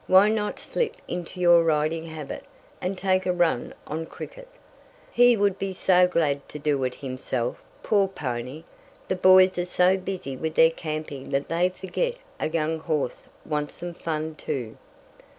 Why not slip into your riding habit, and take a run on Cricket? He would be so glad to do it himself, poor pony! The boys are so busy with their camping that they forget a young horse wants some fun too."